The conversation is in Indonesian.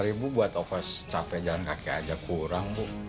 lima ribu buat opos capek jalan kaki aja kurang bu